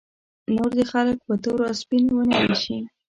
نور دې خلک په تور او سپین ونه ویشي.